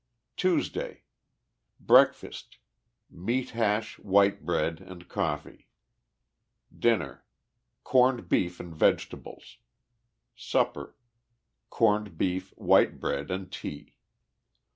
TUESDAY. Breakfast. — Meat hash, white bread and eoflee. Dinner. — Corned beef and vegetables. Supper. — Corned beef, white bread and tea.